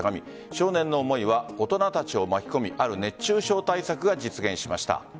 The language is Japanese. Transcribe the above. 少年の思いは大人たちを巻き込みある熱中症対策が実現しました。